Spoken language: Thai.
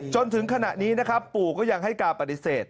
จนถึงขณะนี้นะครับปู่ก็ยังให้การปฏิเสธ